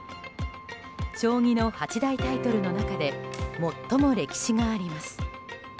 将棋の八大タイトルの中で最も歴史があります。